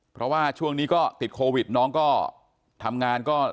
เพราะว่าช่วงนี้ก็ติดโควิดน้องก็ทำงานก็